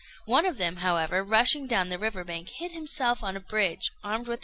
One of them, however, rushing down the river bank, hid himself on a bridge, armed with.